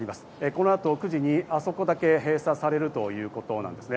この後９時にあそこだけ閉鎖されるということです。